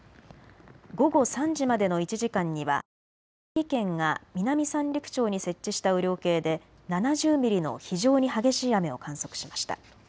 午後３時までの１時間には宮城県が南三陸町に設置した雨量計で７０ミリの非常に激しい雨を観測しました。